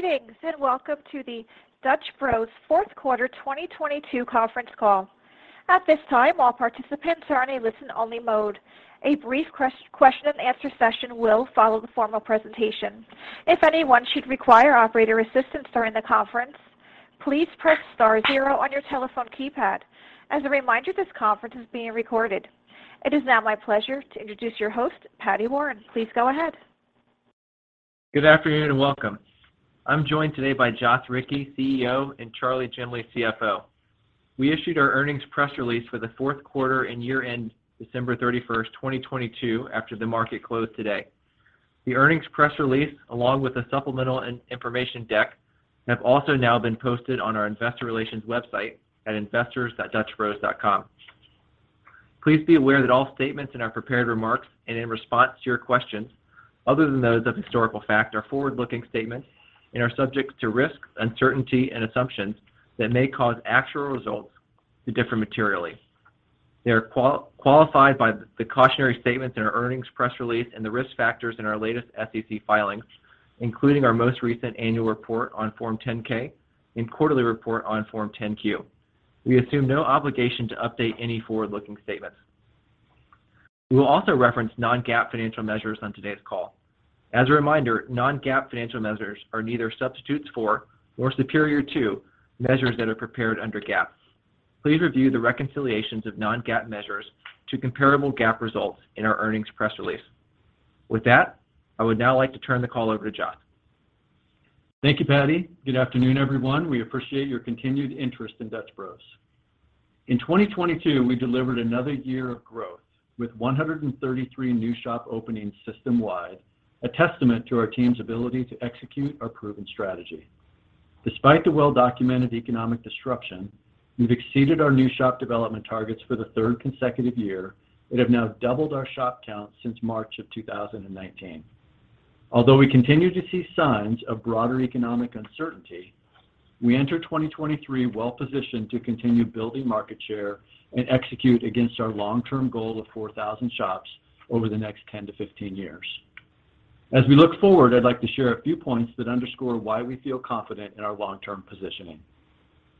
Greetings, welcome to the Dutch Bros Q4 2022 Conference Call. At this time, all participants are in a listen-only mode. A brief question and answer session will follow the formal presentation. If anyone should require operator assistance during the conference, please press star zero on your telephone keypad. As a reminder, this conference is being recorded. It is now my pleasure to introduce your host, Paddy Warren. Please go ahead. Good afternoon, and welcome. I'm joined today by Joth Ricci, CEO, and Charley Jemley, CFO. We issued our earnings press release for the Q4 and year-end December 31, 2022 after the market closed today. The earnings press release, along with the supplemental and information deck, have also now been posted on our investor relations website at investors.dutchbros.com. Please be aware that all statements in our prepared remarks and in response to your questions, other than those of historical fact, are forward-looking statements and are subject to risks, uncertainty, and assumptions that may cause actual results to differ materially. They are qualified by the cautionary statements in our earnings press release and the risk factors in our latest SEC filings, including our most recent annual report on Form 10-K and quarterly report on Form 10-Q. We assume no obligation to update any forward-looking statements. We will also reference non-GAAP financial measures on today's call. As a reminder, non-GAAP financial measures are neither substitutes for, nor superior to, measures that are prepared under GAAP. Please review the reconciliations of non-GAAP measures to comparable GAAP results in our earnings press release. With that, I would now like to turn the call over to Joth. Thank you, Paddy. Good afternoon, everyone. We appreciate your continued interest in Dutch Bros. In 2022, we delivered another year of growth with 133 new shop openings system-wide, a testament to our team's ability to execute our proven strategy. Despite the well-documented economic disruption, we've exceeded our new shop development targets for the third consecutive year and have now doubled our shop count since March of 2019. Although we continue to see signs of broader economic uncertainty, we enter 2023 well-positioned to continue building market share and execute against our long-term goal of 4,000 shops over the next 10-15 years. As we look forward, I'd like to share a few points that underscore why we feel confident in our long-term positioning.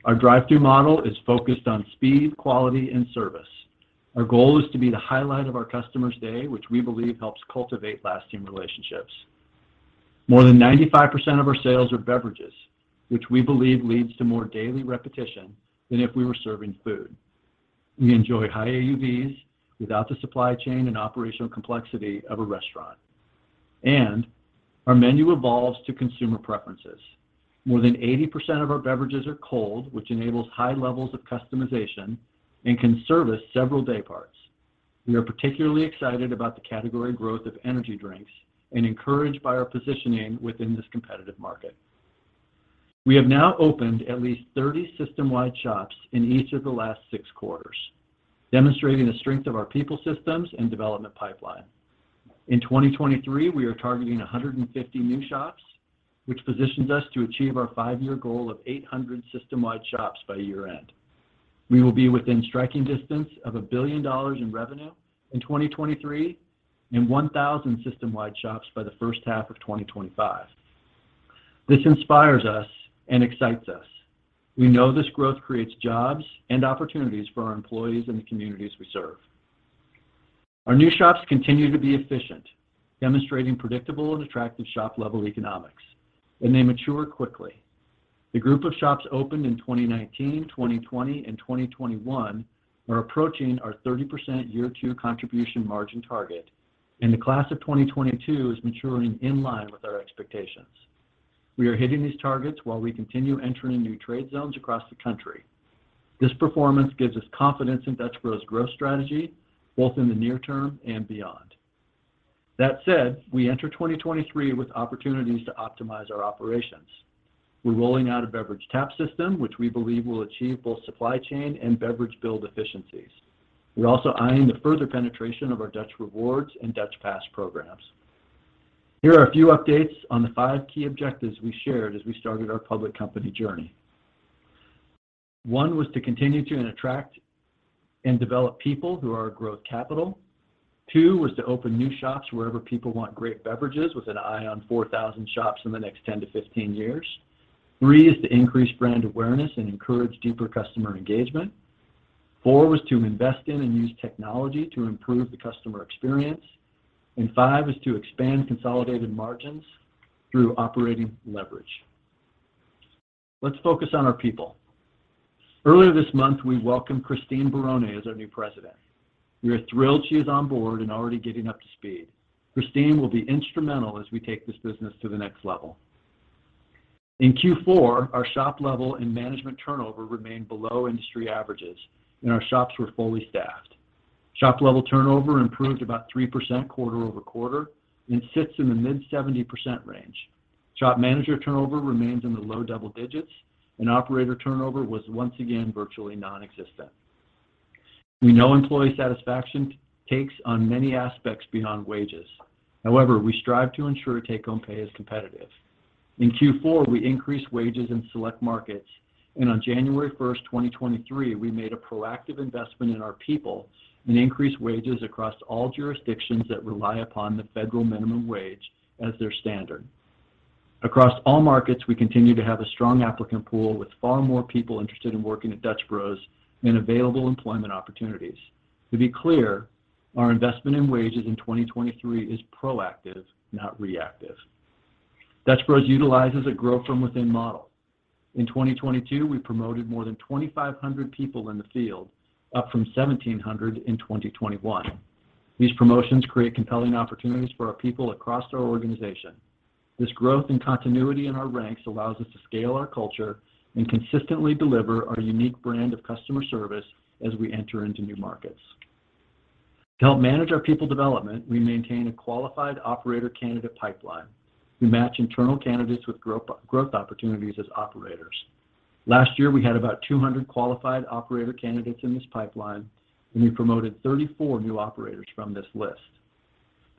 Our drive-thru model is focused on speed, quality, and service. Our goal is to be the highlight of our customer's day, which we believe helps cultivate lasting relationships. More than 95% of our sales are beverages, which we believe leads to more daily repetition than if we were serving food. We enjoy high AUVs without the supply chain and operational complexity of a restaurant. Our menu evolves to consumer preferences. More than 80% of our beverages are cold, which enables high levels of customization and can service several day parts. We are particularly excited about the category growth of energy drinks and encouraged by our positioning within this competitive market. We have now opened at least 30 system-wide shops in each of the last 6 quarters, demonstrating the strength of our people systems and development pipeline. In 2023, we are targeting 150 new shops, which positions us to achieve our 5-year goal of 800 system-wide shops by year-end. We will be within striking distance of $1 billion in revenue in 2023 and 1,000 system-wide shops by the H1 of 2025. This inspires us and excites us. We know this growth creates jobs and opportunities for our employees in the communities we serve. Our new shops continue to be efficient, demonstrating predictable and attractive shop-level economics, and they mature quickly. The group of shops opened in 2019, 2020, and 2021 are approaching our 30% year 2 contribution margin target, and the class of 2022 is maturing in line with our expectations. We are hitting these targets while we continue entering new trade zones across the country. This performance gives us confidence in Dutch Bros' growth strategy, both in the near term and beyond. That said, we enter 2023 with opportunities to optimize our operations. We're rolling out a beverage tap system, which we believe will achieve both supply chain and beverage build efficiencies. We're also eyeing the further penetration of our Dutch Rewards and Dutch Pass programs. Here are a few updates on the five key objectives we shared as we started our public company journey. One was to continue to attract and develop people who are our growth capital. Two was to open new shops wherever people want great beverages with an eye on 4,000 shops in the next 10-15 years. Three is to increase brand awareness and encourage deeper customer engagement. Four was to invest in and use technology to improve the customer experience. Five is to expand consolidated margins through operating leverage. Let's focus on our people. Earlier this month, we welcomed Christine Barone as our new president. We are thrilled she is on board and already getting up to speed. Christine will be instrumental as we take this business to the next level. In Q4, our shop level and management turnover remained below industry averages, and our shops were fully staffed. Shop-level turnover improved about 3% quarter-over-quarter and sits in the mid-70% range. Shop manager turnover remains in the low double digits, and operator turnover was once again virtually nonexistent. We know employee satisfaction takes on many aspects beyond wages. However, we strive to ensure take-home pay is competitive. In Q4, we increased wages in select markets. On January 1st, 2023, we made a proactive investment in our people and increased wages across all jurisdictions that rely upon the federal minimum wage as their standard. Across all markets, we continue to have a strong applicant pool with far more people interested in working at Dutch Bros than available employment opportunities. To be clear, our investment in wages in 2023 is proactive, not reactive. Dutch Bros utilizes a grow from within model. In 2022, we promoted more than 2,500 people in the field, up from 1,700 in 2021. These promotions create compelling opportunities for our people across our organization. This growth and continuity in our ranks allows us to scale our culture and consistently deliver our unique brand of customer service as we enter into new markets. To help manage our people development, we maintain a qualified operator candidate pipeline. We match internal candidates with growth opportunities as operators. Last year, we had about 200 qualified operator candidates in this pipeline, and we promoted 34 new operators from this list.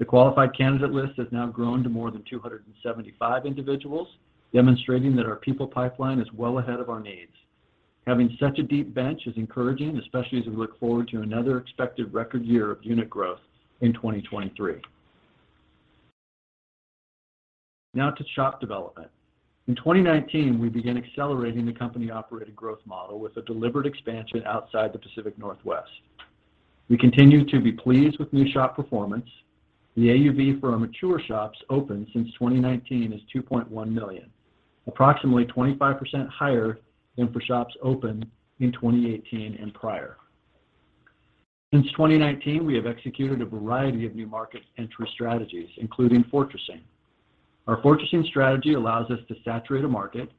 The qualified candidate list has now grown to more than 275 individuals, demonstrating that our people pipeline is well ahead of our needs. Having such a deep bench is encouraging, especially as we look forward to another expected record year of unit growth in 2023. Now to shop development. In 2019, we began accelerating the company-operated growth model with a deliberate expansion outside the Pacific Northwest. We continue to be pleased with new shop performance. The AUV for our mature shops open since 2019 is $2.1 million, approximately 25% higher than for shops opened in 2018 and prior. Since 2019, we have executed a variety of new market entry strategies, including fortressing. Our fortressing strategy allows us to saturate a market,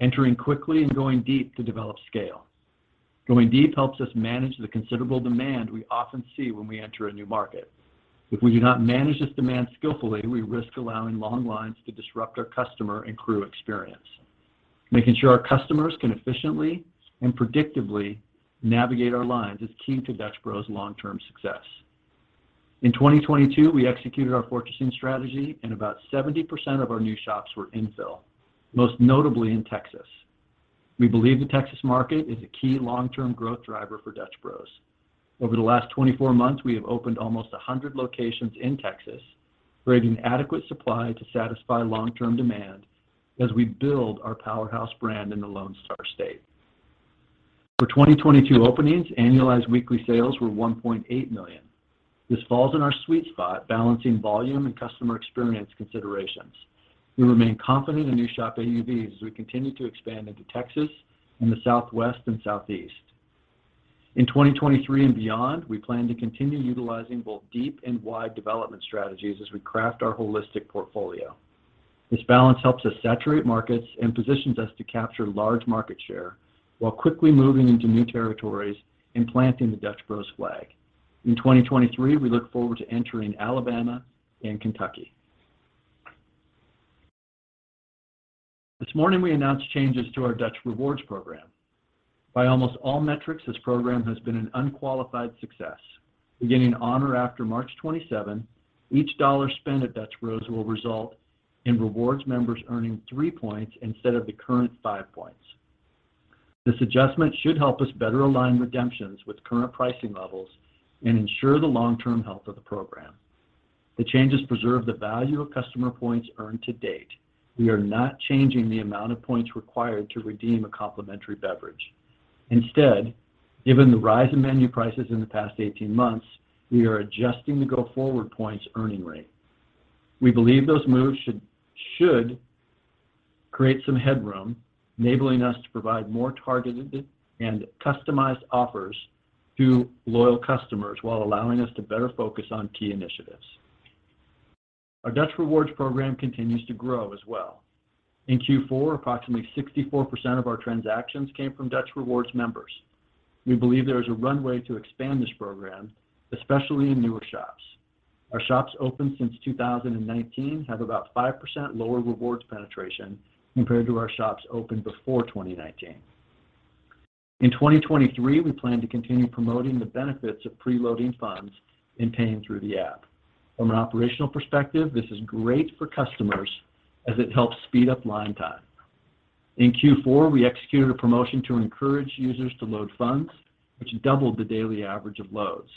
entering quickly and going deep to develop scale. Going deep helps us manage the considerable demand we often see when we enter a new market. If we do not manage this demand skillfully, we risk allowing long lines to disrupt our customer and crew experience. Making sure our customers can efficiently and predictably navigate our lines is key to Dutch Bros' long-term success. In 2022, we executed our fortressing strategy and about 70% of our new shops were infill, most notably in Texas. We believe the Texas market is a key long-term growth driver for Dutch Bros. Over the last 24 months, we have opened almost 100 locations in Texas, creating adequate supply to satisfy long-term demand as we build our powerhouse brand in the Lone Star State. For 2022 openings, annualized weekly sales were $1.8 million. This falls in our sweet spot, balancing volume and customer experience considerations. We remain confident in new shop AUVs as we continue to expand into Texas and the Southwest and Southeast. In 2023 and beyond, we plan to continue utilizing both deep and wide development strategies as we craft our holistic portfolio. This balance helps us saturate markets and positions us to capture large market share while quickly moving into new territories and planting the Dutch Bros flag. In 2023, we look forward to entering Alabama and Kentucky. This morning, we announced changes to our Dutch Rewards program. By almost all metrics, this program has been an unqualified success. Beginning on or after March 27, each dollar spent at Dutch Bros will result in Rewards members earning 3 points instead of the current 5 points. This adjustment should help us better align redemptions with current pricing levels and ensure the long-term health of the program. The changes preserve the value of customer points earned to date. We are not changing the amount of points required to redeem a complimentary beverage. Instead, given the rise in menu prices in the past 18 months, we are adjusting the go-forward points earning rate. We believe those moves should create some headroom, enabling us to provide more targeted and customized offers to loyal customers while allowing us to better focus on key initiatives. Our Dutch Rewards program continues to grow as well. In Q4, approximately 64% of our transactions came from Dutch Rewards members. We believe there is a runway to expand this program, especially in newer shops. Our shops opened since 2019 have about 5% lower rewards penetration compared to our shops opened before 2019. In 2023, we plan to continue promoting the benefits of preloading funds and paying through the app. From an operational perspective, this is great for customers as it helps speed up line time. In Q4, we executed a promotion to encourage users to load funds, which doubled the daily average of loads.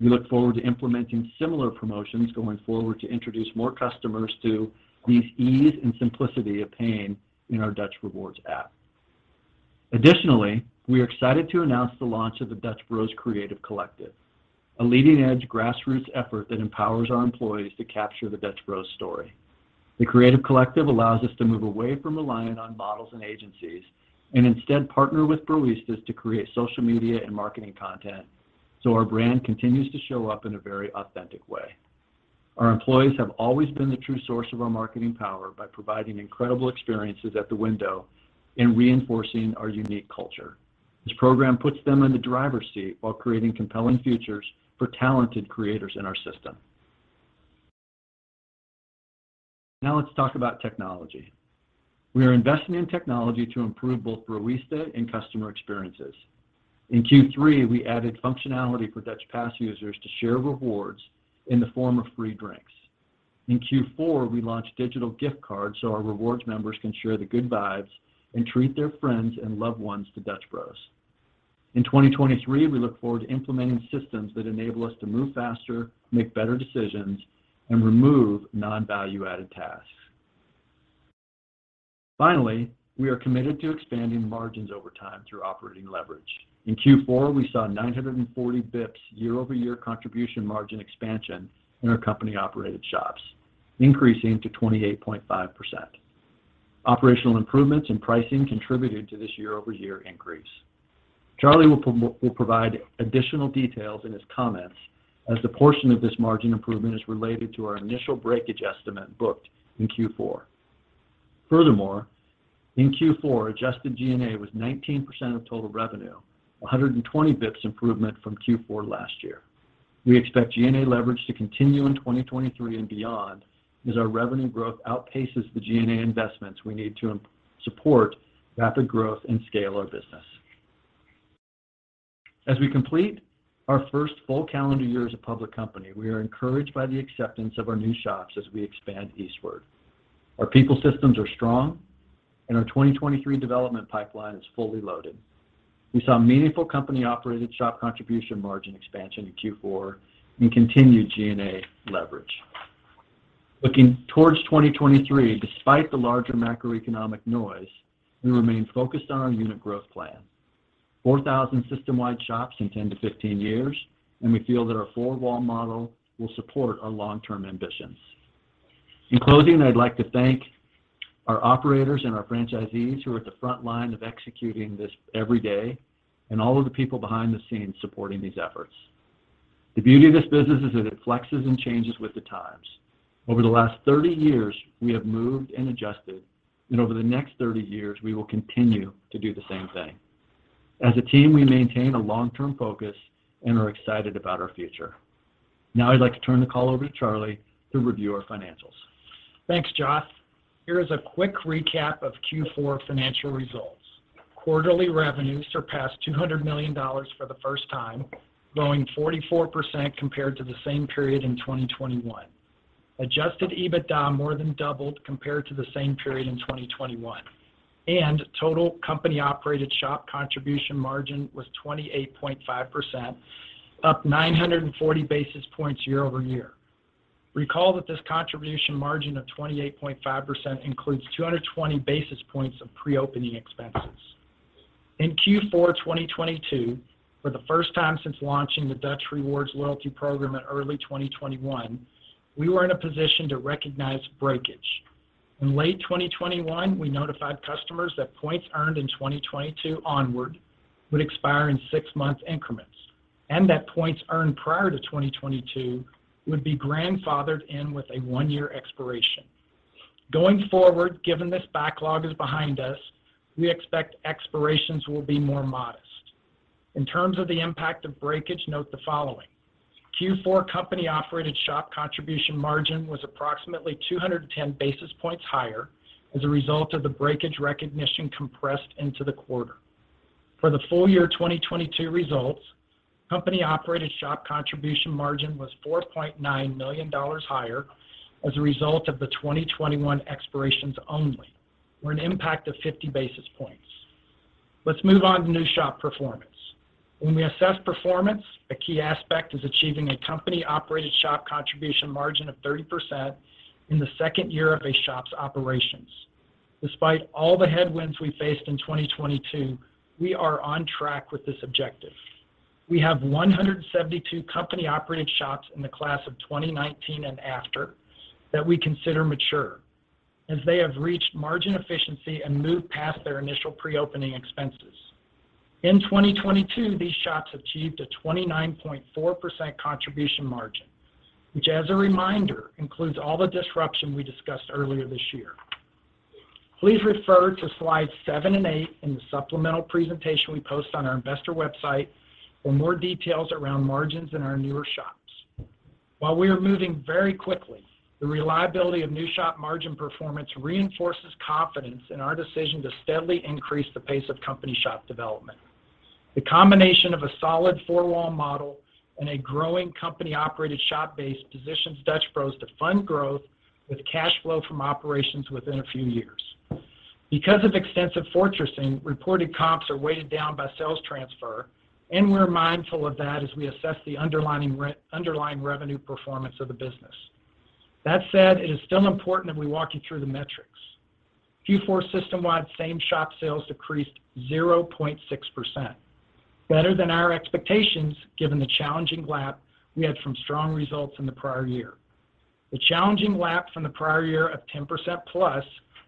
We look forward to implementing similar promotions going forward to introduce more customers to the ease and simplicity of paying in our Dutch Rewards app. We are excited to announce the launch of the Dutch Bros Creative Collective, a leading-edge grassroots effort that empowers our employees to capture the Dutch Bros story. The Creative Collective allows us to move away from relying on models and agencies and instead partner with baristas to create social media and marketing content our brand continues to show up in a very authentic way. Our employees have always been the true source of our marketing power by providing incredible experiences at the window and reinforcing our unique culture. This program puts them in the driver's seat while creating compelling futures for talented creators in our system. Let's talk about technology. We are investing in technology to improve both barista and customer experiences. In Q3, we added functionality for Dutch Pass users to share rewards in the form of free drinks. In Q4, we launched digital gift cards so our rewards members can share the good vibes and treat their friends and loved ones to Dutch Bros. In 2023, we look forward to implementing systems that enable us to move faster, make better decisions, and remove non-value-added tasks. Finally, we are committed to expanding margins over time through operating leverage. In Q4, we saw 940 bps year-over-year contribution margin expansion in our company-operated shops, increasing to 28.5%. Operational improvements in pricing contributed to this year-over-year increase. Charley will provide additional details in his comments as the portion of this margin improvement is related to our initial breakage estimate booked in Q4. In Q4, adjusted G&A was 19% of total revenue, 120 basis points improvement from Q4 last year. We expect G&A leverage to continue in 2023 and beyond as our revenue growth outpaces the G&A investments we need to support rapid growth and scale our business. As we complete our first full calendar year as a public company, we are encouraged by the acceptance of our new shops as we expand eastward. Our people systems are strong. Our 2023 development pipeline is fully loaded. We saw meaningful company-operated shop contribution margin expansion in Q4 and continued G&A leverage. Looking towards 2023, despite the larger macroeconomic noise, we remain focused on our unit growth plan. 4,000 system-wide shops in 10-15 years. We feel that our four-wall model will support our long-term ambitions. In closing, I'd like to thank our operators and our franchisees who are at the front line of executing this every day and all of the people behind the scenes supporting these efforts. The beauty of this business is that it flexes and changes with the times. Over the last 30 years, we have moved and adjusted, and over the next 30 years, we will continue to do the same thing. As a team, we maintain a long-term focus and are excited about our future. Now I'd like to turn the call over to Charley to review our financials. Thanks, Joth. Here is a quick recap of Q4 financial results. Quarterly revenue surpassed $200 million for the first time, growing 44% compared to the same period in 2021. Adjusted EBITDA more than doubled compared to the same period in 2021, and total company-operated shop contribution margin was 28.5%, up 940 basis points year-over-year. Recall that this contribution margin of 28.5% includes 220 basis points of pre-opening expenses. In Q4 2022, for the first time since launching the Dutch Rewards loyalty program in early 2021, we were in a position to recognize breakage. In late 2021, we notified customers that points earned in 2022 onward would expire in six-month increments and that points earned prior to 2022 would be grandfathered in with a one-year expiration. Going forward, given this backlog is behind us, we expect expirations will be more modest. In terms of the impact of breakage, note the following. Q4 company-operated shop contribution margin was approximately 210 basis points higher as a result of the breakage recognition compressed into the quarter. For the Full Year 2022 results, company-operated shop contribution margin was $4.9 million higher as a result of the 2021 expirations only, or an impact of 50 basis points. Let's move on to new shop performance. When we assess performance, a key aspect is achieving a company-operated shop contribution margin of 30% in the second year of a shop's operations. Despite all the headwinds we faced in 2022, we are on track with this objective. We have 172 company-operated shops in the class of 2019 and after that we consider mature as they have reached margin efficiency and moved past their initial pre-opening expenses. In 2022, these shops achieved a 29.4% contribution margin, which, as a reminder, includes all the disruption we discussed earlier this year. Please refer to slides 7 and 8 in the supplemental presentation we post on our investor website for more details around margins in our newer shops. While we are moving very quickly, the reliability of new shop margin performance reinforces confidence in our decision to steadily increase the pace of company shop development. The combination of a solid four-wall model and a growing company-operated shop base positions Dutch Bros to fund growth with cash flow from operations within a few years. Because of extensive fortressing, reported comps are weighted down by sales transfer, and we're mindful of that as we assess the underlying revenue performance of the business. That said, it is still important that we walk you through the metrics. Q4 system-wide same shop sales decreased 0.6%. Better than our expectations, given the challenging lap we had from strong results in the prior year. The challenging lap from the prior year of 10%+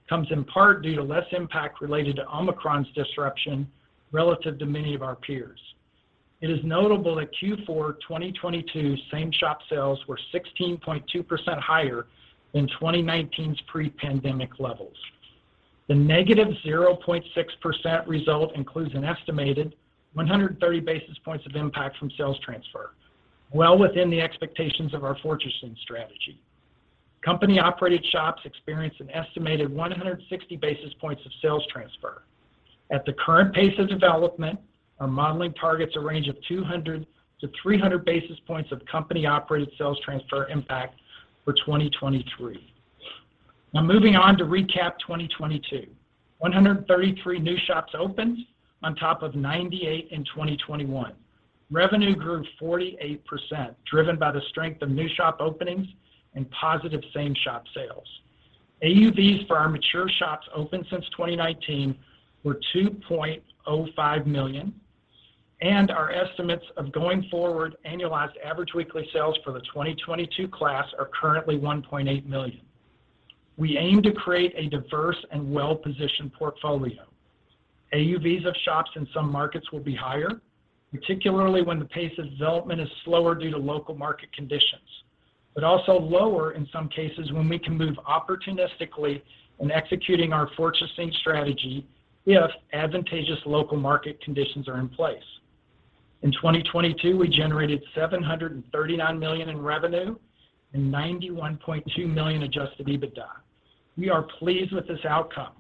comes in part due to less impact related to Omicron's disruption relative to many of our peers. It is notable that Q4 2022 same shop sales were 16.2% higher than 2019's pre-pandemic levels. The -0.6% result includes an estimated 130 basis points of impact from sales transfer, well within the expectations of our fortressing strategy. Company-operated shops experienced an estimated 160 basis points of sales transfer. At the current pace of development, our modeling targets a range of 200-300 basis points of company-operated sales transfer impact for 2023. Moving on to recap 2022. 133 new shops opened on top of 98 in 2021. Revenue grew 48%, driven by the strength of new shop openings and positive same shop sales. AUVs for our mature shops opened since 2019 were $2.05 million, and our estimates of going forward annualized average weekly sales for the 2022 class are currently $1.8 million. We aim to create a diverse and well-positioned portfolio. AUVs of shops in some markets will be higher, particularly when the pace of development is slower due to local market conditions, but also lower in some cases when we can move opportunistically in executing our fortressing strategy if advantageous local market conditions are in place. In 2022, we generated $739 million in revenue and $91.2 million adjusted EBITDA. We are pleased with this outcome,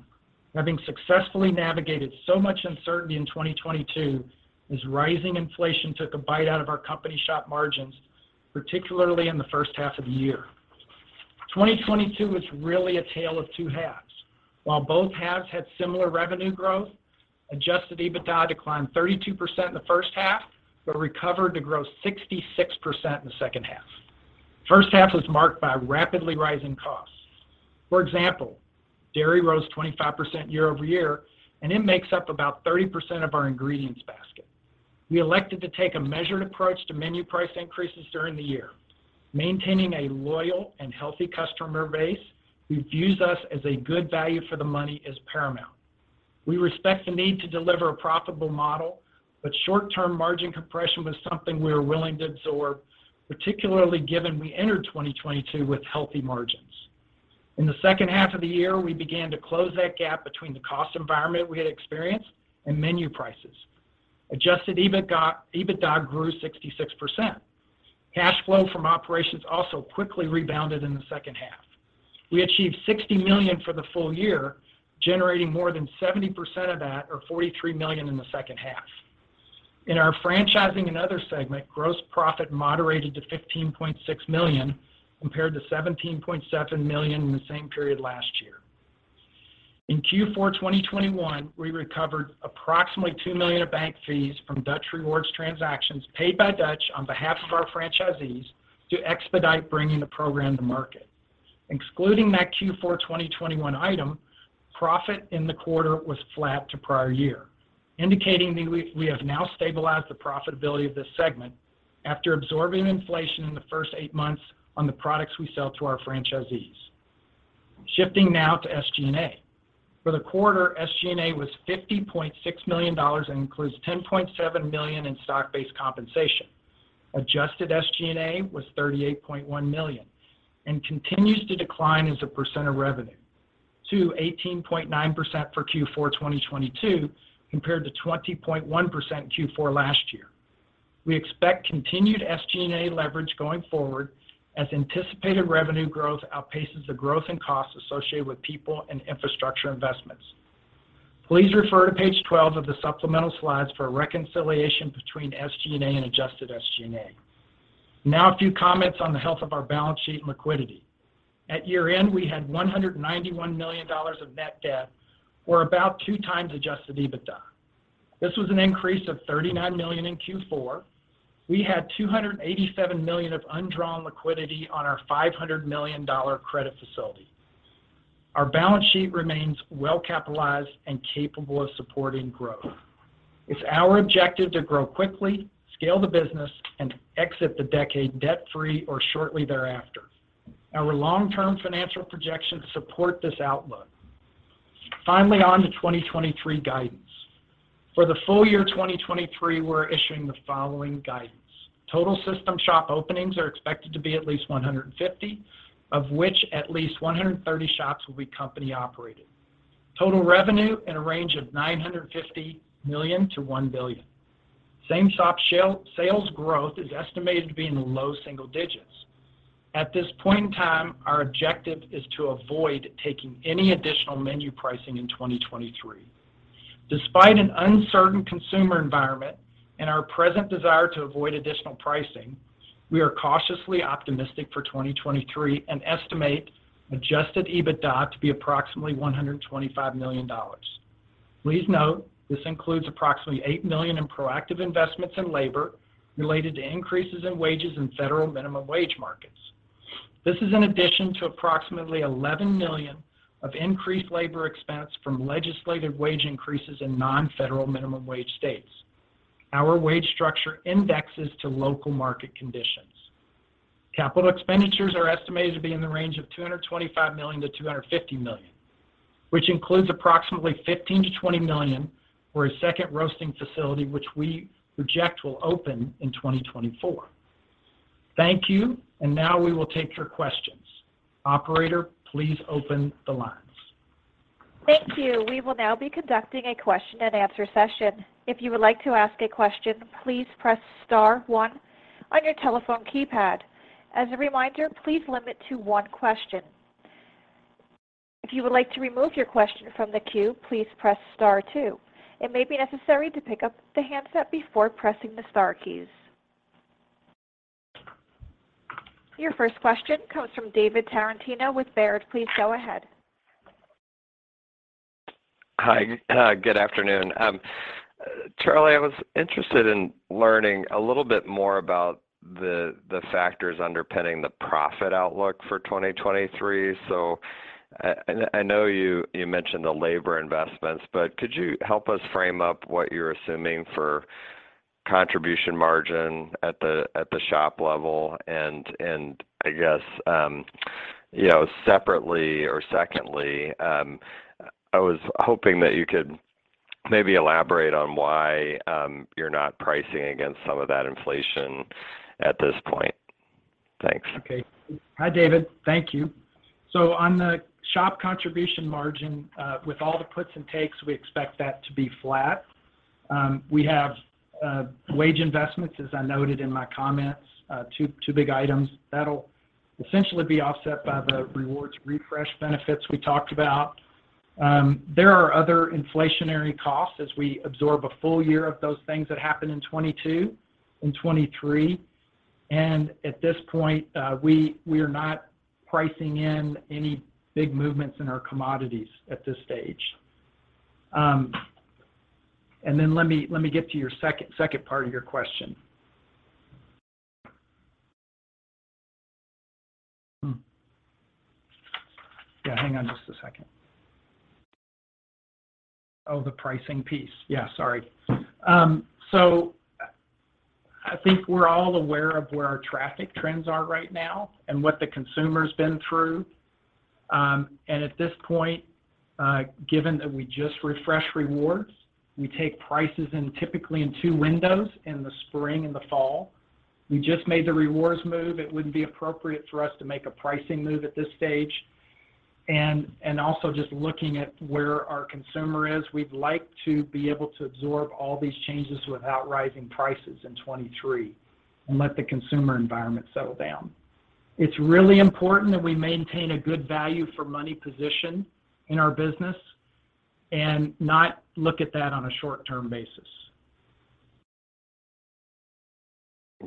having successfully navigated so much uncertainty in 2022 as rising inflation took a bite out of our company shop margins, particularly in the H1 of the year. 2022 was really a tale of two halves. While both halves had similar revenue growth, adjusted EBITDA declined 32% in the H1 but recovered to grow 66% in the H2. H1 was marked by rapidly rising costs. For example, dairy rose 25% year-over-year, and it makes up about 30% of our ingredients basket. We elected to take a measured approach to menu price increases during the year. Maintaining a loyal and healthy customer base who views us as a good value for the money is paramount. We respect the need to deliver a profitable model, but short-term margin compression was something we were willing to absorb, particularly given we entered 2022 with healthy margins. In the H2 of the year, we began to close that gap between the cost environment we had experienced and menu prices. Adjusted EBITDA grew 66%. Cash flow from operations also quickly rebounded in the H2. We achieved $60 million for the full year, generating more than 70% of that or $43 million in the H2. In our franchising and other segment, gross profit moderated to $15.6 million compared to $17.7 million in the same period last year. In Q4 2021, we recovered approximately $2 million of bank fees from Dutch Rewards transactions paid by Dutch on behalf of our franchisees to expedite bringing the program to market. Excluding that Q4 2021 item, profit in the quarter was flat to prior year, indicating we have now stabilized the profitability of this segment after absorbing inflation in the first eight months on the products we sell to our franchisees. Shifting now to SG&A. For the quarter, SG&A was $50.6 million and includes $10.7 million in stock-based compensation. Adjusted SG&A was $38.1 million and continues to decline as a percent of revenue to 18.9% for Q4 2022 compared to 20.1% Q4 last year. We expect continued SG&A leverage going forward as anticipated revenue growth outpaces the growth in costs associated with people and infrastructure investments. Please refer to page 12 of the supplemental slides for a reconciliation between SG&A and adjusted SG&A. A few comments on the health of our balance sheet and liquidity. At year-end, we had $191 million of net debt, or about 2x adjusted EBITDA. This was an increase of $39 million in Q4. We had $287 million of undrawn liquidity on our $500 million credit facility. Our balance sheet remains well capitalized and capable of supporting growth. It's our objective to grow quickly, scale the business, and exit the decade debt-free or shortly thereafter. Our long-term financial projections support this outlook. Finally, on to 2023 guidance. For the Full Year 2023, we're issuing the following guidance. Total system shop openings are expected to be at least 150, of which at least 130 shops will be company operated. Total revenue in a range of $950 million-$1 billion. same shop sales growth is estimated to be in the low single digits. At this point in time, our objective is to avoid taking any additional menu pricing in 2023. Despite an uncertain consumer environment and our present desire to avoid additional pricing, we are cautiously optimistic for 2023 and estimate adjusted EBITDA to be approximately $125 million. Please note this includes approximately $8 million in proactive investments in labor related to increases in wages in federal minimum wage markets. This is in addition to approximately $11 million of increased labor expense from legislative wage increases in non-federal minimum wage states. Our wage structure indexes to local market conditions. Capital expenditures are estimated to be in the range of $225 million-$250 million, which includes approximately $15 million-$20 million for a second roasting facility which we project will open in 2024. Thank you. Now we will take your questions. Operator, please open the lines. Thank you. We will now be conducting a question and answer session. If you would like to ask a question, please press star one on your telephone keypad. As a reminder, please limit to one question. If you would like to remove your question from the queue, please press star two. It may be necessary to pick up the handset before pressing the star keys. Your first question comes from David Tarantino with Baird. Please go ahead. Hi. Good afternoon. Charley, I was interested in learning a little bit more about the factors underpinning the profit outlook for 2023. I know you mentioned the labor investments, but could you help us frame up what you're assuming for contribution margin at the shop level? I guess, you know, separately or secondly, I was hoping that you could maybe elaborate on why you're not pricing against some of that inflation at this point. Thanks. Okay. Hi, David. Thank you. On the shop contribution margin, with all the puts and takes, we expect that to be flat. We have wage investments, as I noted in my comments, 2 big items. That'll essentially be offset by the Rewards refresh benefits we talked about. There are other inflationary costs as we absorb a full year of those things that happened in 2022, in 2023. At this point, we are not pricing in any big movements in our commodities at this stage. Let me get to your second part of your question. Yeah, hang on just a second. Oh, the pricing piece. Yeah, sorry. I think we're all aware of where our traffic trends are right now and what the consumer's been through. At this point, given that we just refreshed rewards, we take prices in typically in 2 windows, in the spring and the fall. We just made the rewards move. It wouldn't be appropriate for us to make a pricing move at this stage. Also just looking at where our consumer is, we'd like to be able to absorb all these changes without rising prices in 23 and let the consumer environment settle down. It's really important that we maintain a good value for money position in our business and not look at that on a short-term basis.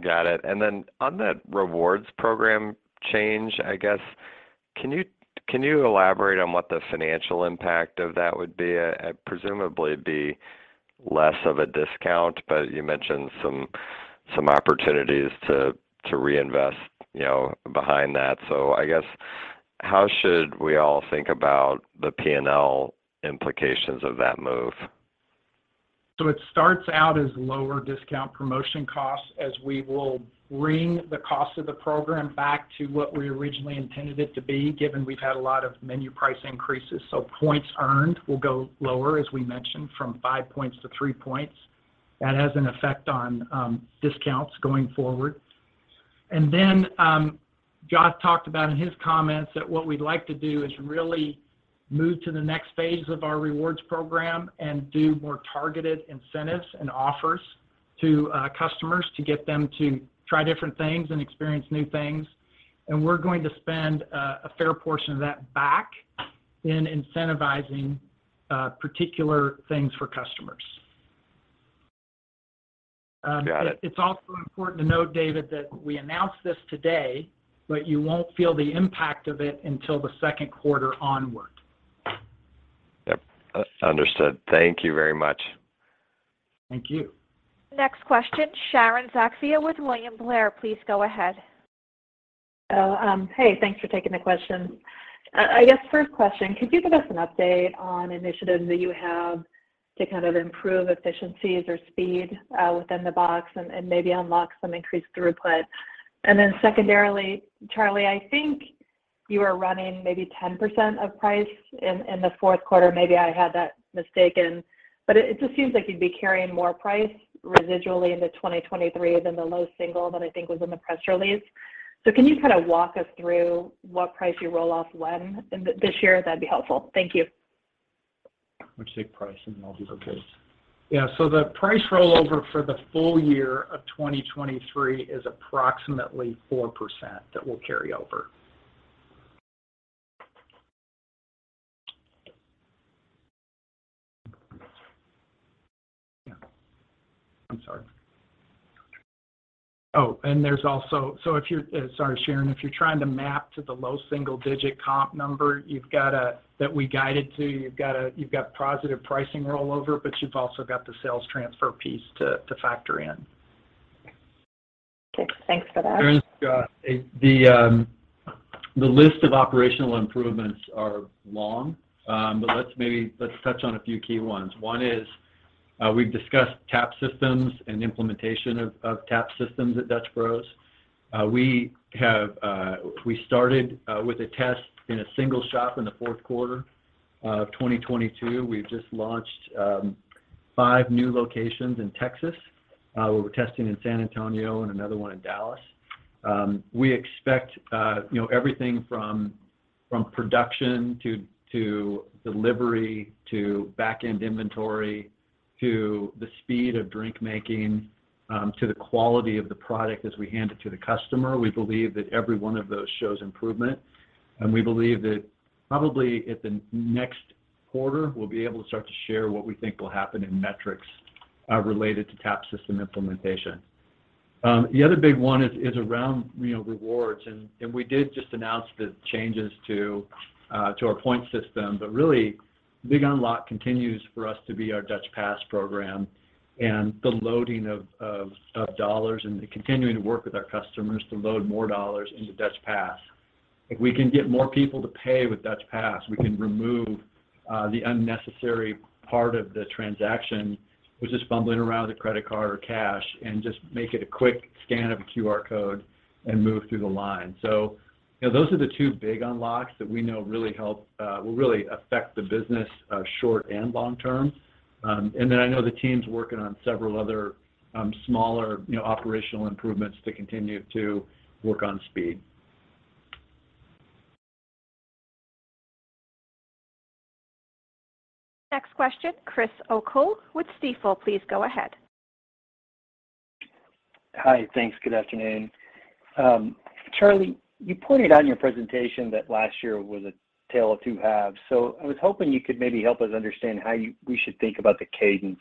Got it. On that rewards program change, I guess, can you elaborate on what the financial impact of that would be? Presumably, it'd be less of a discount, but you mentioned some opportunities to reinvest, you know, behind that. I guess, how should we all think about the P&L implications of that move? It starts out as lower discount promotion costs, as we will bring the cost of the program back to what we originally intended it to be, given we've had a lot of menu price increases. Points earned will go lower, as we mentioned, from 5 points to 3 points. That has an effect on discounts going forward. Joth talked about in his comments that what we'd like to do is really move to the next phase of our rewards program and do more targeted incentives and offers to customers to get them to try different things and experience new things. We're going to spend a fair portion of that back in incentivizing particular things for customers. Got it. It's also important to note, David, that we announced this today, but you won't feel the impact of it until the Q2 onward. Yep. Understood. Thank you very much. Thank you. Next question, Sharon Zackfia with William Blair. Please go ahead. Hey, thanks for taking the question. I guess first question, could you give us an update on initiatives that you have to improve efficiencies or speed, within the box and maybe unlock some increased throughput? Secondarily, Charley, I think you are running maybe 10% of price in the Q4. Maybe I had that mistaken, but it just seems like you'd be carrying more price residually into 2023 than the low single that I think was in the press release. Can you walk us through what price you roll off when this year? That'd be helpful. Thank you. Why don't you take price, and then I'll do the rest. Yeah. The price rollover for the Full Year of 2023 is approximately 4% that we'll carry over. Yeah. I'm sorry. There's also... If you're... sorry, Sharon. If you're trying to map to the low single-digit comp number, that we guided to, you've got positive pricing rollover, but you've also got the sales transfer piece to factor in. Okay. Thanks for that. Sharon, the list of operational improvements are long. Let's maybe, let's touch on a few key ones. One is, we've discussed tap systems and implementation of tap systems at Dutch Bros. We have, we started with a test in a single shop in the Q4 of 2022. We've just launched five new locations in Texas, where we're testing in San Antonio and another one in Dallas. We expect, you know, everything from production to delivery, to back-end inventory To the speed of drink making, to the quality of the product as we hand it to the customer, we believe that every one of those shows improvement. We believe that probably at the next quarter, we'll be able to start to share what we think will happen in metrics related to tap system implementation. The other big one is around, you know, rewards. We did just announce the changes to our point system, but really big unlock continues for us to be our Dutch Pass program and the loading of dollars and continuing to work with our customers to load more dollars into Dutch Pass. If we can get more people to pay with Dutch Pass, we can remove the unnecessary part of the transaction, which is fumbling around with a credit card or cash, and just make it a quick scan of a QR code and move through the line. You know, those are the two big unlocks that we know really help, will really affect the business short and long term. Then I know the team's working on several other smaller, you know, operational improvements to continue to work on speed. Next question, Chris O'Cull with Stifel, please go ahead. Hi. Thanks. Good afternoon. Charley, you pointed out in your presentation that last year was a tale of two halves. I was hoping you could maybe help us understand how we should think about the cadence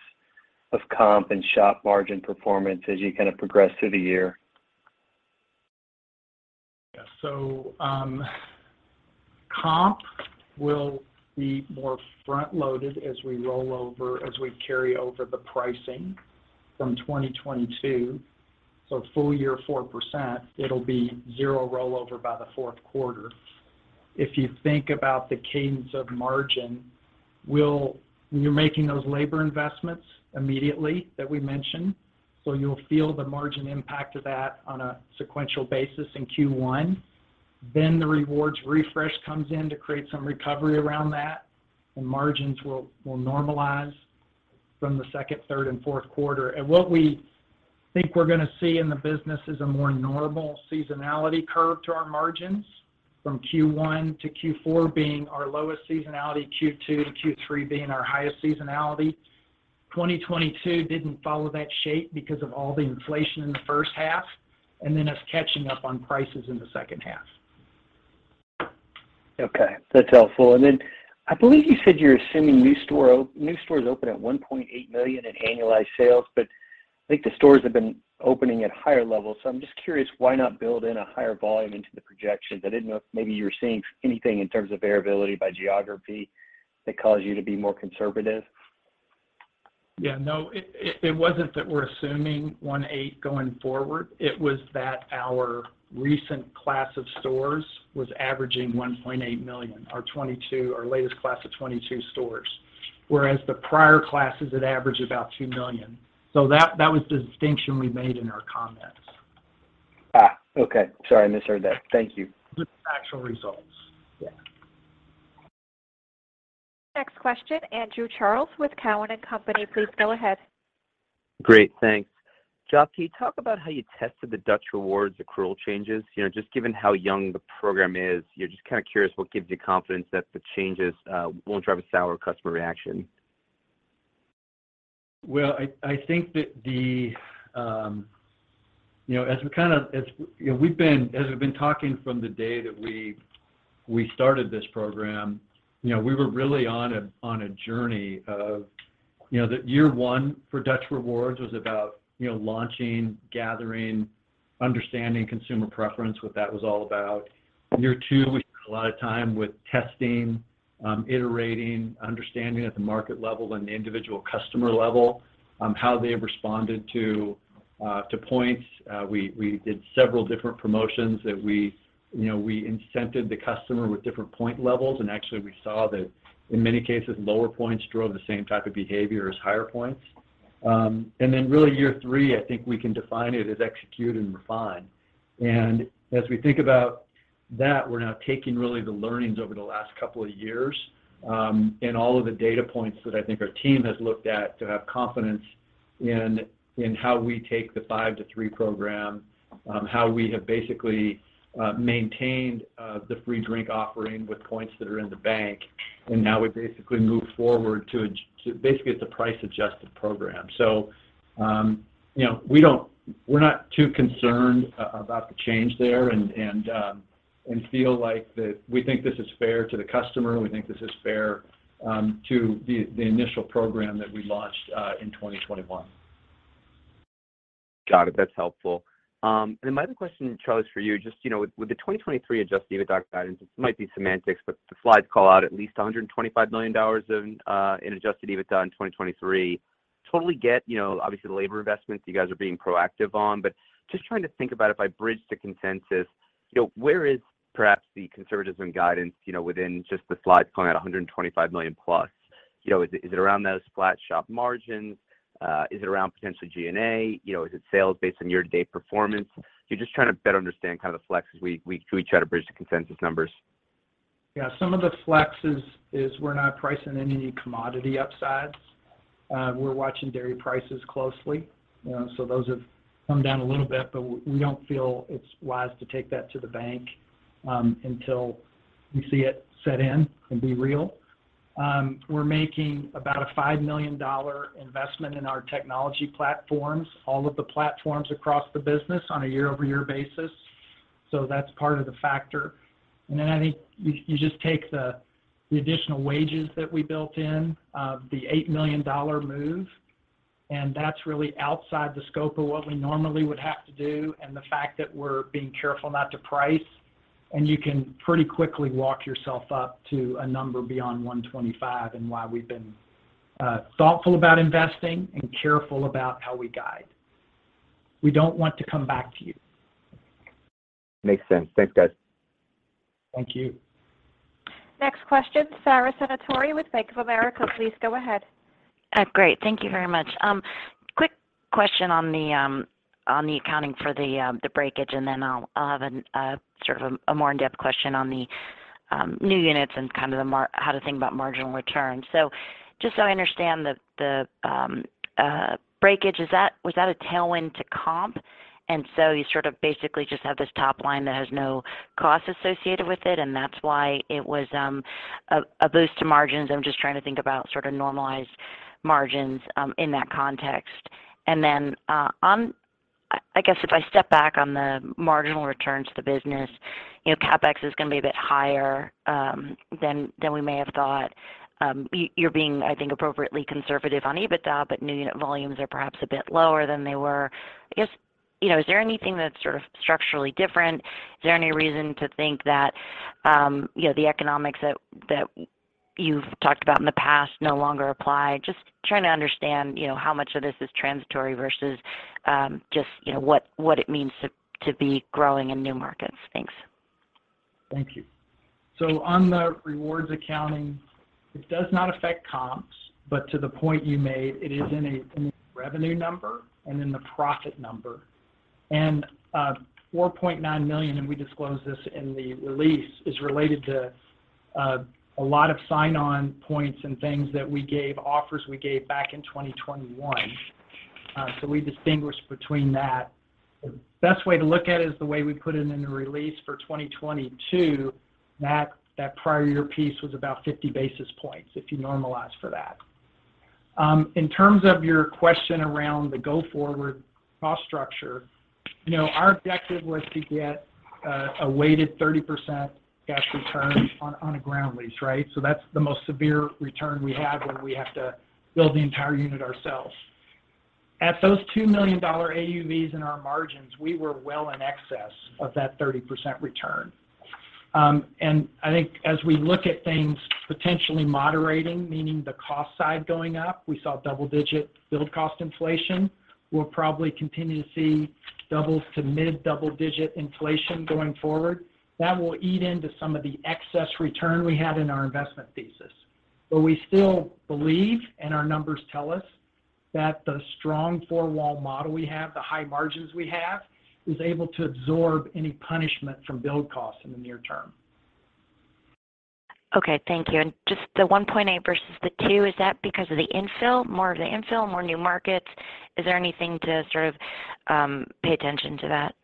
of comp and shop margin performance as you progress through the year? Yeah. Comp will be more front loaded as we roll over, as we carry over the pricing from 2022. Full Year 4%, it'll be 0 rollover by the Q4. If you think about the cadence of margin, you're making those labor investments immediately that we mentioned, so you'll feel the margin impact of that on a sequential basis in Q1. The rewards refresh comes in to create some recovery around that, and margins will normalize from the Q2, Q3, and Q4. What we think we're going to see in the business is a more normal seasonality curve to our margins from Q1 to Q4 being our lowest seasonality, Q2 to Q3 being our highest seasonality. 2022 didn't follow that shape because of all the inflation in the H1 and then us catching up on prices in the H2. Okay. That's helpful. I believe you said you're assuming new stores open at $1.8 million in annualized sales. I think the stores have been opening at higher levels. I'm just curious why not build in a higher volume into the projection? I didn't know if maybe you were seeing anything in terms of variability by geography that caused you to be more conservative. Yeah, no. It wasn't that we're assuming 1.8 going forward. It was that our recent class of stores was averaging $1.8 million, our latest class of 22 stores, whereas the prior classes had averaged about $2 million. That was the distinction we made in our comments. Okay. Sorry, I misheard that. Thank you. The actual results. Yeah. Next question, Andrew Charles with Cowen and Company. Please go ahead. Great. Thanks. Jeff, can you talk about how you tested the Dutch Rewards accrual changes? You know, just given how young the program is, you're just curious what gives you confidence that the changes, won't drive a sour customer reaction? Well, I think that. You know, as we, as you know, as we've been talking from the day that we started this program, you know, we were really on a journey of, you know, the year one for Dutch Rewards was about, you know, launching, gathering, understanding consumer preference, what that was all about. Year two, we spent a lot of time with testing, iterating, understanding at the market level and the individual customer level, how they have responded to points. We did several different promotions that we, you know, we incented the customer with different point levels, and actually, we saw that in many cases, lower points drove the same type of behavior as higher points. Really year three, I think we can define it as execute and refine. As we think about that, we're now taking really the learnings over the last couple of years, and all of the data points that I think our team has looked at to have confidence in how we take the 5 to 3 program, how we have basically maintained the free drink offering with points that are in the bank, and now we basically move forward to basically, it's a price-adjusted program. You know, we're not too concerned about the change there and feel like we think this is fair to the customer. We think this is fair to the initial program that we launched in 2021. Got it. That's helpful. My other question, Charley, is for you. Just, you know, with the 2023 adjusted EBITDA guidance, this might be semantics, but the slides call out at least $125 million in adjusted EBITDA in 2023. Totally get, you know, obviously the labor investments you guys are being proactive on, but just trying to think about if I bridge to consensus, you know, where is perhaps the conservatism guidance, you know, within just the slides calling out $125 million plus? You know, is it around those flat shop margins? Is it around potentially G&A? You know, is it sales based on year-to-date performance? You're just trying to better understand the flex as do we try to bridge the consensus numbers. Yeah. Some of the flex is we're not pricing any commodity upsides. We're watching dairy prices closely. You know, those have come down a little bit, we don't feel it's wise to take that to the bank, until We see it set in and be real. We're making about a $5 million investment in our technology platforms, all of the platforms across the business on a year-over-year basis. That's part of the factor. I think you just take the additional wages that we built in, the $8 million move, and that's really outside the scope of what we normally would have to do, and the fact that we're being careful not to price. You can pretty quickly walk yourself up to a number beyond 125, and why we've been thoughtful about investing and careful about how we guide. We don't want to come back to you. Makes sense. Thanks, guys. Thank you. Next question, Sara Senatore with Bank of America. Please go ahead. Great. Thank you very much. Quick question on the accounting for the breakage, then I'll have a a more in-depth question on the new units and how to think about marginal returns. Just so I understand the breakage, was that a tailwind to comp, and so you basically just have this top line that has no cost associated with it, and that's why it was a boost to margins? I'm just trying to think about normalized margins in that context. I guess if I step back on the marginal returns to the business, you know, CapEx is going to be a bit higher than we may have thought. You're being, I think, appropriately conservative on EBITDA, but new unit volumes are perhaps a bit lower than they were. I guess, you know, is there anything that's structurally different? Is there any reason to think that, you know, the economics that you've talked about in the past no longer apply? Just trying to understand, you know, how much of this is transitory versus, just, you know, what it means to be growing in new markets. Thanks. Thank you. On the rewards accounting, it does not affect comps, but to the point you made, it is in the revenue number and in the profit number. $4.9 million, and we disclose this in the release, is related to a lot of sign-on points and things that we gave, offers we gave back in 2021. We distinguish between that. The best way to look at it is the way we put it in the release for 2022. That prior year piece was about 50 basis points if you normalize for that. In terms of your question around the go-forward cost structure, you know, our objective was to get a weighted 30% cash return on a ground lease, right? That's the most severe return we have when we have to build the entire unit ourselves. At those $2 million AUVs in our margins, we were well in excess of that 30% return. I think as we look at things potentially moderating, meaning the cost side going up, we saw double-digit build cost inflation. We'll probably continue to see double to mid-double digit inflation going forward. That will eat into some of the excess return we had in our investment thesis. We still believe, and our numbers tell us, that the strong four-wall model we have, the high margins we have, is able to absorb any punishment from build costs in the near term. Okay. Thank you. Just the 1.8 versus the 2, is that because of the infill, more of the infill, more new markets? Is there anything to pay attention to that?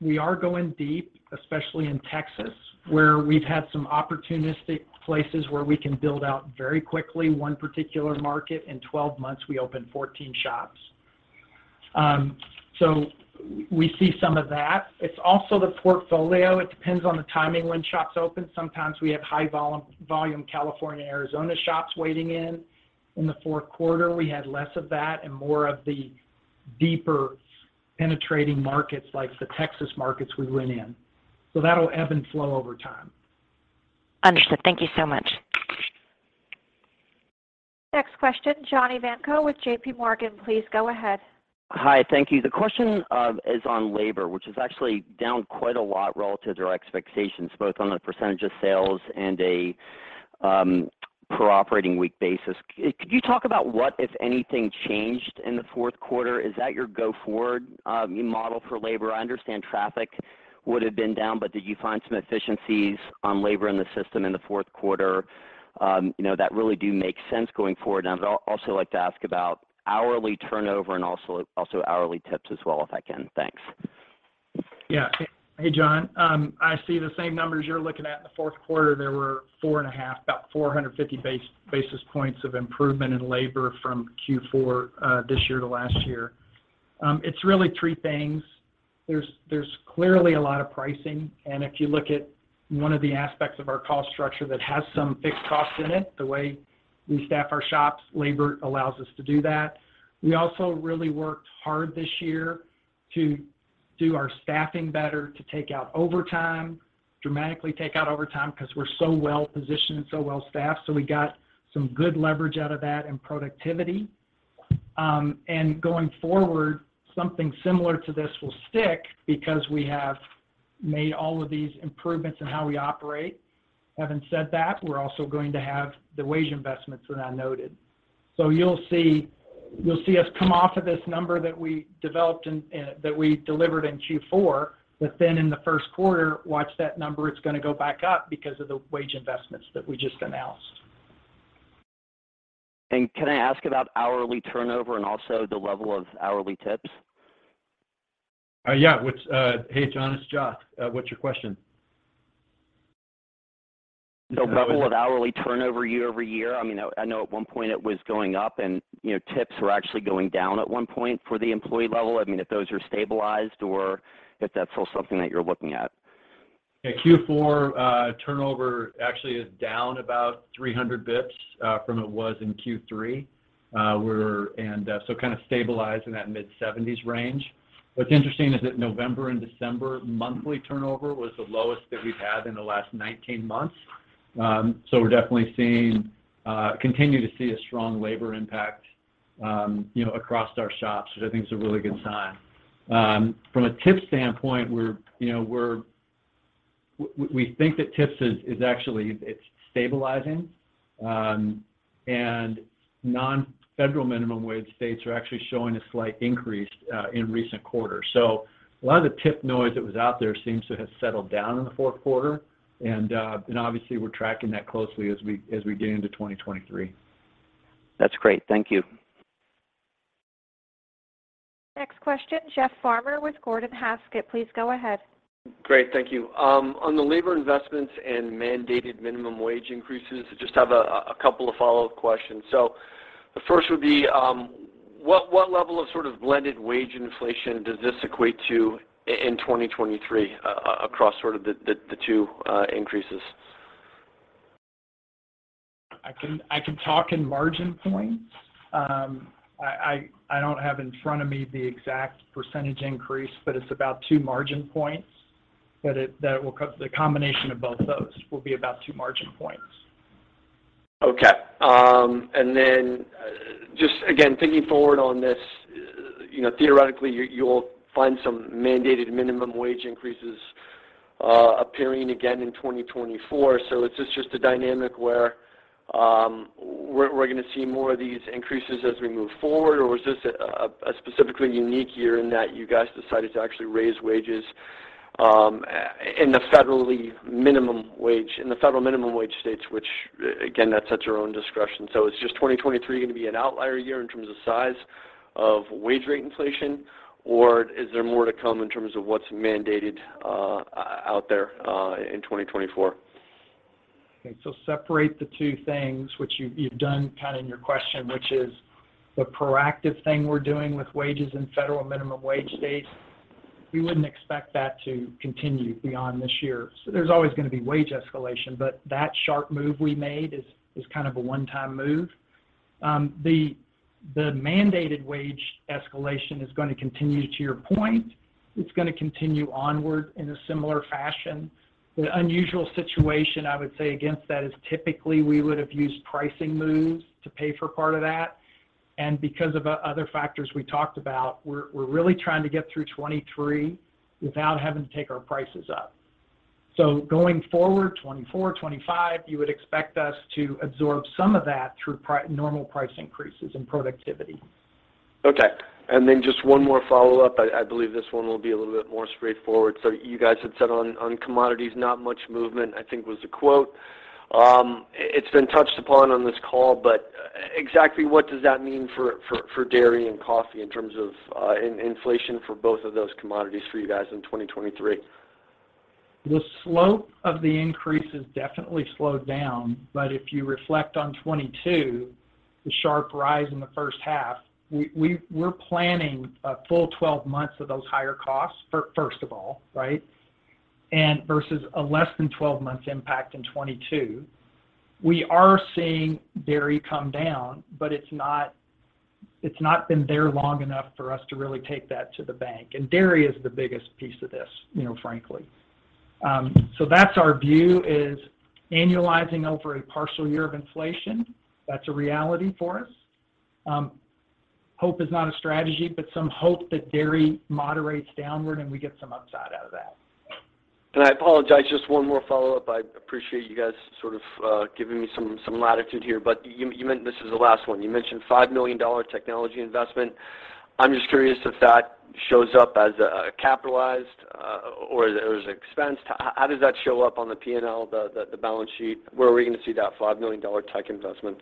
We are going deep, especially in Texas, where we've had some opportunistic places where we can build out very quickly. One particular market in 12 months, we opened 14 shops. We see some of that. It's also the portfolio. It depends on the timing when shops open. Sometimes we have high volume California, Arizona shops weighting in. In the Q4, we had less of that and more of the deeper penetrating markets like the Texas markets we went in. That'll ebb and flow over time. Understood. Thank you so much. Next question, John Ivankoe with JPMorgan. Please go ahead. Hi. Thank you. The question is on labor, which is actually down quite a lot relative to our expectations, both on the percentage of sales and a per operating week basis. Could you talk about what, if anything, changed in the Q4? Is that your go forward model for labor? I understand traffic would have been down, but did you find some efficiencies on labor in the system in the Q4, you know, that really do make sense going forward? I'd also like to ask about hourly turnover and also hourly tips as well, if I can. Thanks. Hey, John. I see the same numbers you're looking at. In the Q4, there were 4.5, about 450 basis points of improvement in labor from Q4 this year to last year. It's really three things. There's clearly a lot of pricing. If you look at one of the aspects of our cost structure that has some fixed costs in it, the way we staff our shops, labor allows us to do that. We also really worked hard this year to do our staffing better, to take out overtime, dramatically take out overtime 'cause we're so well-positioned and so well-staffed, so we got some good leverage out of that in productivity. Going forward, something similar to this will stick because we have made all of these improvements in how we operate. Having said that, we're also going to have the wage investments that I noted. You'll see, you'll see us come off of this number that we developed and that we delivered in Q4. In the Q1, watch that number, it's going to go back up because of the wage investments that we just announced. Can I ask about hourly turnover and also the level of hourly tips? Yeah. Hey, John, it's Joth. What's your question? The level of hourly turnover year-over-year, I mean, I know at one point it was going up and, you know, tips were actually going down at one point for the employee level. I mean, if those are stabilized or if that's still something that you're looking at? Yeah. Q4 turnover actually is down about 300 bps from it was in Q3. Kind of stabilized in that mid-seventies range. What's interesting is that November and December monthly turnover was the lowest that we've had in the last 19 months. We're definitely seeing, continue to see a strong labor impact, you know, across our shops, which I think is a really good sign. From a tip standpoint we're, you know, we think that tips is actually, it's stabilizing. Non-federal minimum wage states are actually showing a slight increase in recent quarters. A lot of the tip noise that was out there seems to have settled down in the Q4 and obviously we're tracking that closely as we get into 2023. That's great. Thank you. Next question, Jeff Farmer with Gordon Haskett. Please go ahead. Great. Thank you. On the labor investments and mandated minimum wage increases, I just have a couple of follow-up questions. The first would be, what level of blended wage inflation does this equate to in 2023 across the 2 increases? I can talk in margin points. I don't have in front of me the exact percentage increase, but it's about two margin points. The combination of both those will be about two margin points. Okay. Just again, thinking forward on this, you know, theoretically you'll find some mandated minimum wage increases appearing again in 2024. Is this just a dynamic where we're going to see more of these increases as we move forward, or was this a specifically unique year in that you guys decided to actually raise wages in the federal minimum wage states, which again, that's at your own discretion. Is just 2023 going to be an outlier year in terms of size of wage rate inflation, or is there more to come in terms of what's mandated out there in 2024? Okay. Separate the two things which you've done in your question, which is the proactive thing we're doing with wages in federal minimum wage states. We wouldn't expect that to continue beyond this year. There's always going to be wage escalation, but that sharp move we made is a one-time move. The mandated wage escalation is going to continue, to your point. It's going to continue onward in a similar fashion. The unusual situation I would say against that is typically we would've used pricing moves to pay for part of that, and because of other factors we talked about, we're really trying to get through 2023 without having to take our prices up. Going forward, 2024, 2025, you would expect us to absorb some of that through normal price increases and productivity. Okay. Just one more follow-up. I believe this one will be a little bit more straightforward. You guys had said on commodities not much movement, I think was the quote. It's been touched upon on this call, but exactly what does that mean for dairy and coffee in terms of inflation for both of those commodities for you guys in 2023? The slope of the increase has definitely slowed down, if you reflect on 2022, the sharp rise in the H1, we're planning a full 12 months of those higher costs first of all, right? Versus a less than 12 months impact in 2022. We are seeing dairy come down, but it's not, it's not been there long enough for us to really take that to the bank, and dairy is the biggest piece of this, you know, frankly. That's our view is annualizing over a partial year of inflation. That's a reality for us. Hope is not a strategy, but some hope that dairy moderates downward and we get some upside out of that. I apologize, just one more follow-up. I appreciate you guys giving me some latitude here. You, This is the last one. You mentioned $5 million technology investment. I'm just curious if that shows up as capitalized or as expense. How does that show up on the P&L, the balance sheet? Where are we going to see that $5 million tech investment?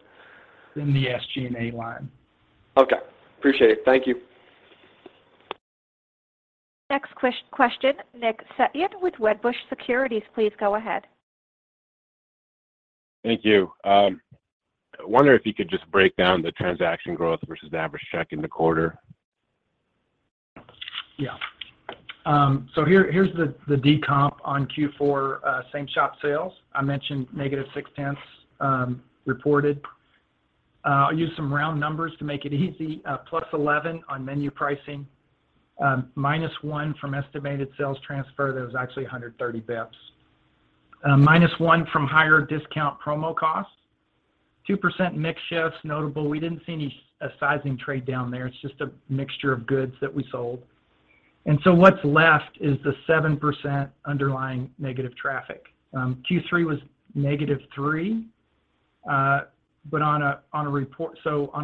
In the SG&A line. Okay. Appreciate it. Thank you. Next question, Nick Setyan with Wedbush Securities. Please go ahead. Thank you. I wonder if you could just break down the transaction growth versus the average check in the quarter. So here's the decomp on Q4 same shop sales. I mentioned -0.6% reported. I'll use some round numbers to make it easy. +11% on menu pricing, -1% from estimated sales transfer. That was actually 130 basis points. -1% from higher discount promo costs. 2% mix shifts notable. We didn't see any sizing trade down there. It's just a mixture of goods that we sold. What's left is the 7% underlying negative traffic. Q3 was -3%, but on a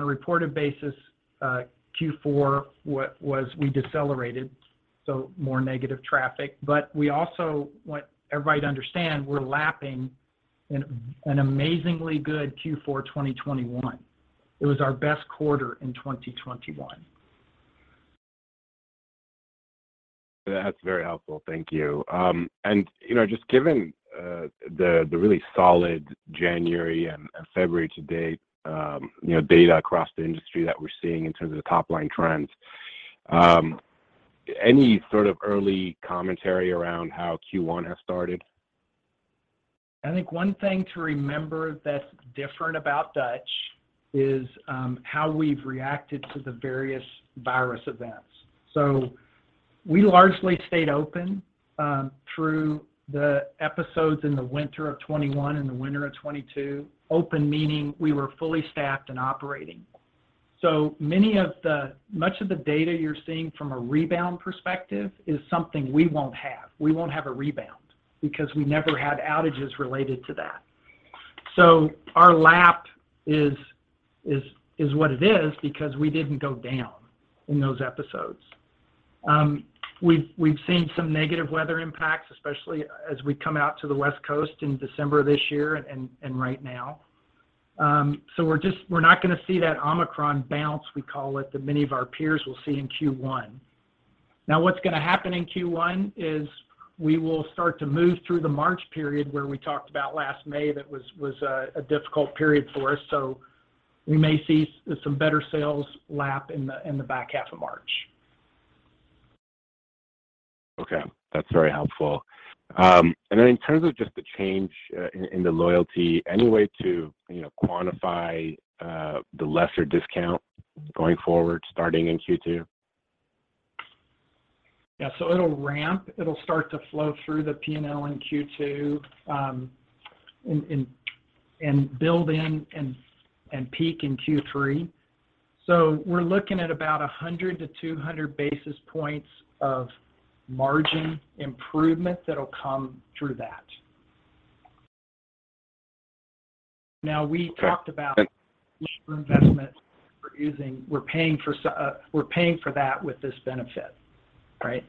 reported basis, Q4 was we decelerated. So more negative traffic. We also want everybody to understand we're lapping an amazingly good Q4 2021. It was our best quarter in 2021. That's very helpful. Thank you. You know, just given, the really solid January and February to date, you know, data across the industry that we're seeing in terms of the top line trends, any early commentary around how Q1 has started? I think one thing to remember that's different about Dutch is how we've reacted to the various virus events. We largely stayed open through the episodes in the winter of 2021 and the winter of 2022. Open meaning we were fully staffed and operating. Much of the data you're seeing from a rebound perspective is something we won't have. We won't have a rebound because we never had outages related to that. Our lap is what it is because we didn't go down in those episodes. We've seen some negative weather impacts, especially as we come out to the West Coast in December this year and right now. We're not going to see that Omicron bounce, we call it, that many of our peers will see in Q1. What's going to happen in Q1 is we will start to move through the March period where we talked about last May that was a difficult period for us, so we may see some better sales lap in the back half of March. Okay, that's very helpful. In terms of just the change, in the loyalty, any way to quantify the lesser discount going forward starting in Q2? Yeah. It'll ramp. It'll start to flow through the P&L in Q2, and build in and peak in Q3. We're looking at about 100 to 200 basis points of margin improvement that'll come through that. Now we talked about investment we're using. We're paying for that with this benefit, right?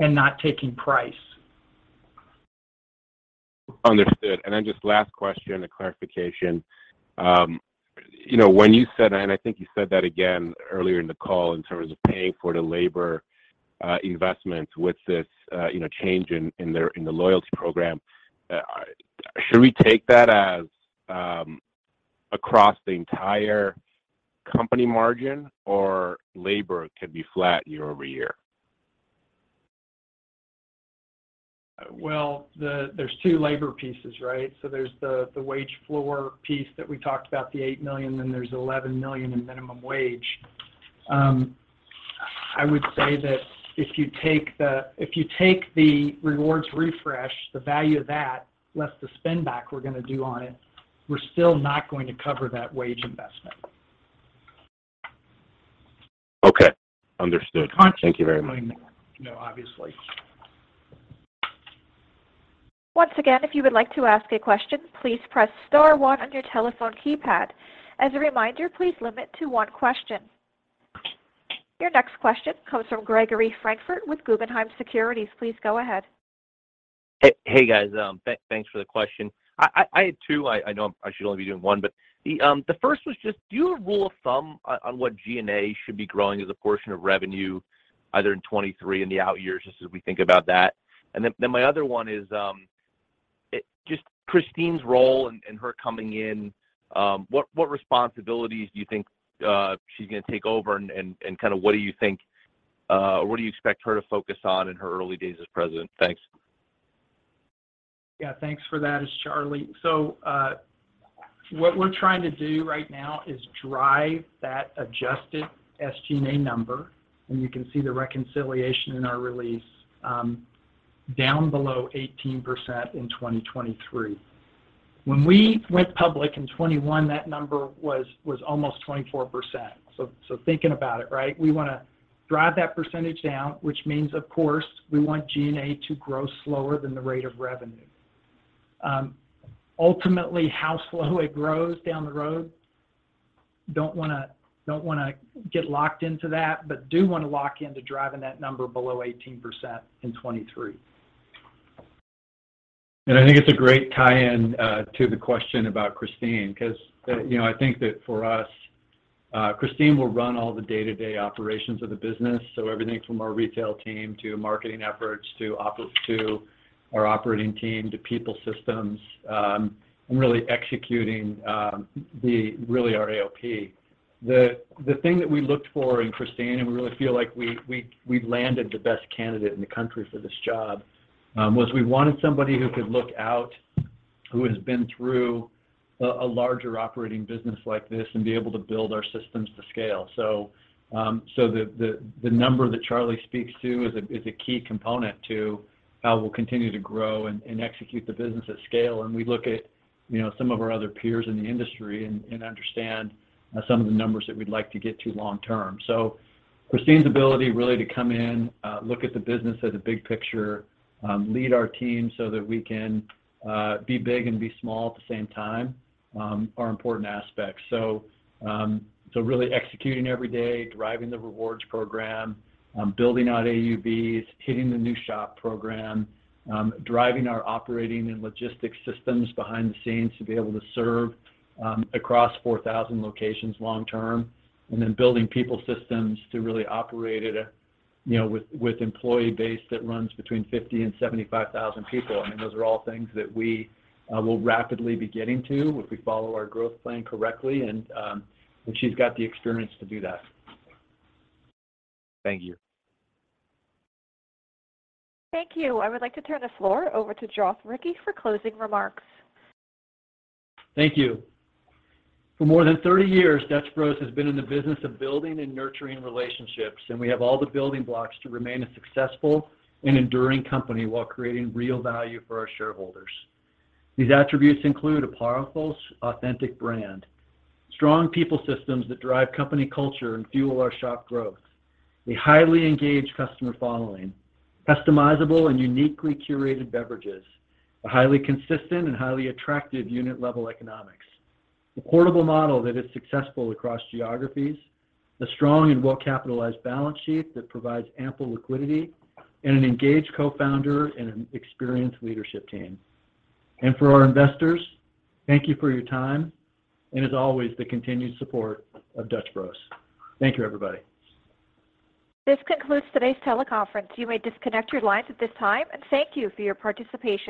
Not taking price. Understood. Just last question and clarification. You know, when you said, and I think you said that again earlier in the call in terms of paying for the labor investment with this, you know, change in the loyalty program, should we take that as across the entire company margin or labor can be flat year-over-year? Well, there's two labor pieces, right? There's the wage floor piece that we talked about, the $8 million, then there's $11 million in minimum wage. I would say that if you take the, if you take the rewards refresh, the value of that, less the spend back we're going to do on it, we're still not going to cover that wage investment. Okay. Understood. Thank you very much. No, obviously. Once again, if you would like to ask a question, please press star one on your telephone keypad. As a reminder, please limit to one question. Your next question comes from Gregory Francfort with Guggenheim Securities. Please go ahead. Hey, hey guys. Thanks for the question. I had two. I know I should only be doing one, but the first was just do you have a rule of thumb on what G&A should be growing as a portion of revenue either in 2023 and the out years, just as we think about that? Then my other one is just Christine's role and her coming in, what responsibilities do you think she's going to take over and what do you expect her to focus on in her early days as president? Thanks. Yeah, thanks for that. It's Charley. What we're trying to do right now is drive that adjusted SG&A number, and you can see the reconciliation in our release, down below 18% in 2023. When we went public in 2021, that number was almost 24%. So thinking about it, right? We want to drive that percentage down, which means of course, we want G&A to grow slower than the rate of revenue. Ultimately, how slow it grows down the road, don't want to get locked into that, but do want to lock into driving that number below 18% in 2023. I think it's a great tie-in to the question about Christine 'cause, you know, I think that for us, Christine will run all the day-to-day operations of the business. Everything from our retail team to marketing efforts to ops, to our operating team, to people systems, and really executing the really our AOP. The thing that we looked for in Christine, and we really feel like we've landed the best candidate in the country for this job, was we wanted somebody who could look out, who has been through a larger operating business like this and be able to build our systems to scale. The number that Charley speaks to is a key component to how we'll continue to grow and execute the business at scale. We look at, you know, some of our other peers in the industry and understand some of the numbers that we'd like to get to long term. Christine's ability really to come in, look at the business as a big picture, lead our team so that we can be big and be small at the same time, are important aspects. Really executing every day, driving the rewards program, building out AUVs, hitting the new shop program, driving our operating and logistics systems behind the scenes to be able to serve across 4,000 locations long term, and then building people systems to really operate at a, you know, with employee base that runs between 50,000 and 75,000 people. I mean, those are all things that we will rapidly be getting to if we follow our growth plan correctly. She's got the experience to do that. Thank you. Thank you. I would like to turn the floor over to Joth Ricci for closing remarks. Thank you. For more than 30 years, Dutch Bros has been in the business of building and nurturing relationships. We have all the building blocks to remain a successful and enduring company while creating real value for our shareholders. These attributes include a powerful, authentic brand, strong people systems that drive company culture and fuel our sharp growth, a highly engaged customer following, customizable and uniquely curated beverages, a highly consistent and highly attractive unit level economics, a portable model that is successful across geographies, a strong and well-capitalized balance sheet that provides ample liquidity, and an engaged co-founder and an experienced leadership team. For our investors, thank you for your time, and as always, the continued support of Dutch Bros. Thank you, everybody. This concludes today's teleconference. You may disconnect your lines at this time, and thank you for your participation.